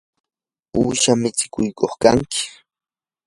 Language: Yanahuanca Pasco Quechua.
¿uusha mitsikuqku kanki?